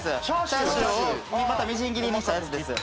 チャーシューをまたみじん切りにしたやつです。